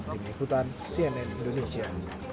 dini hutan cnn indonesia